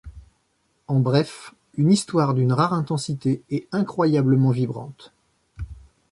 En bref, une histoire d'une rare intensité et incroyablement vibrante.